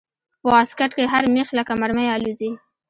په واسکټ کښې هر مېخ لکه مرمۍ الوزي.